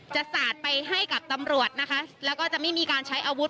สาดไปให้กับตำรวจนะคะแล้วก็จะไม่มีการใช้อาวุธ